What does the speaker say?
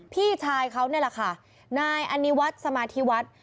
พี่ชายเขานี่แหละค่ะนายอนิวัฒน์สมาธิวัฒน์